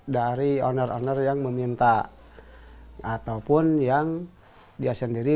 dari owner owner yang di luar